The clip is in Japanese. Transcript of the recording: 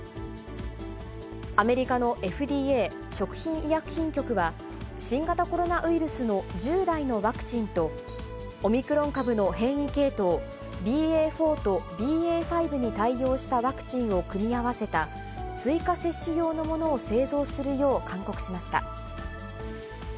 アメリカのＦＤＡ・食品医薬品局は、新型コロナウイルスの従来のワクチンと、オミクロン株の変異系統、ＢＡ．４とＢＡ．５に対応したワクチンを組み合わせた追加接種用のものを製造するよう勧告しました。